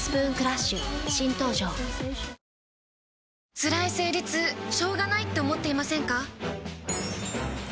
つらい生理痛しょうがないって思っていませんか？